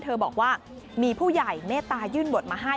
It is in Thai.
บอกว่ามีผู้ใหญ่เมตตายื่นบทมาให้